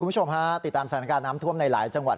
คุณผู้ชมฮะติดตามสถานการณ์น้ำท่วมในหลายจังหวัด